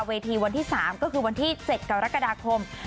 เวทีวันที่๓ก็คือวันที่๗กรกฎาคม